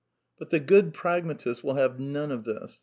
But the good pragmatist will have none of this.